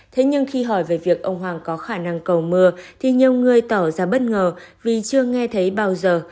thế nhưng khi hỏi về việc ông hoàng có khả năng cầu mưa thì nhiều người tỏ ra bất ngờ vì chưa nghe thấy bao giờ